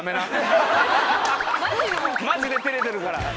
マジで照れてるから。